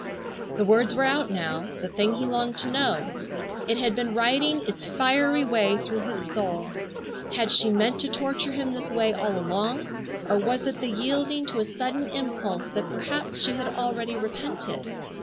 The words were out now, the thing he longed to know. It had been writing its fiery way through his soul. Had she meant to torture him this way all along, or was it the yielding to a sudden impulse that perhaps she had already repented?